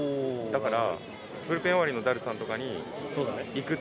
だから。